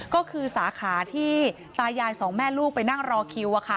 ก็คือสาขาที่ตายายสองแม่ลูกไปนั่งรอคิว